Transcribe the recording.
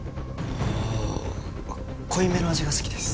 うーん濃いめの味が好きです。